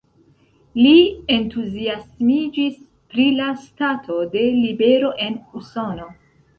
Li entuziasmiĝis pri la stato de libero en Usono.